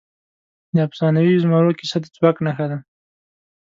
د افسانوي زمرو کیسه د ځواک نښه ده.